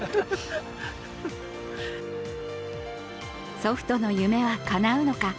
祖父との夢はかなうのか。